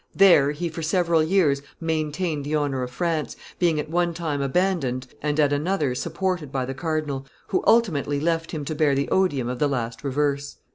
There he for several years maintained the honor of France, being at one time abandoned and at another supported by the cardinal, who ultimately left him to bear the odium of the last reverse.